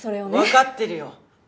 わかってるよ！